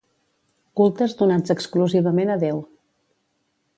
Cultes donats exclusivament a Déu.